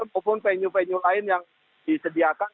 maupun venue venue lain yang disediakan